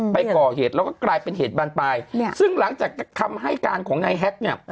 ไปก่อเหตุแล้วก็กลายเป็นเหตุบานปลายซึ่งหลังจากคำให้การของนายแฮกเนี่ย